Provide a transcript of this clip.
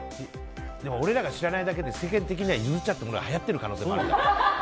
でも俺らが知らないだけで世間的にはユズ茶っていうのがはやってる可能性もあるよね。